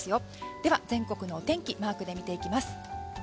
では、全国のお天気マークで見ていきます。